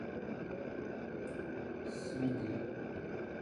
სინგლი პირველად გამოვიდა ბრიტანეთში.